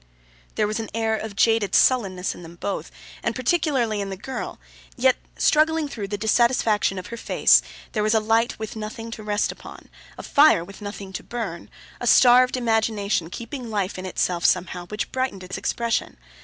There was an air of jaded sullenness in them both, and particularly in the girl: yet, struggling through the dissatisfaction of her face, there was a light with nothing to rest upon, a fire with nothing to burn, a starved imagination keeping life in itself somehow, which brightened its expression.